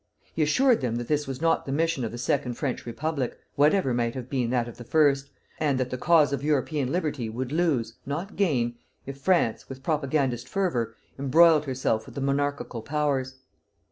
He assured them that this was not the mission of the Second French Republic, whatever might have been that of the First, and that the cause of European liberty would lose, not gain, if France, with propagandist fervor, embroiled herself with the monarchical powers.